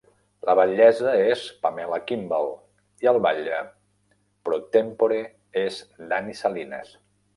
La batllessa és Pamela Kimball, i el batlle pro tempore és Danny Salinas.